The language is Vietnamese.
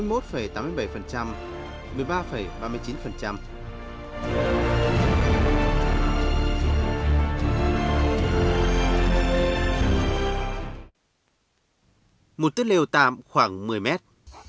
một tuyết lều tạm khoảng một mươi mét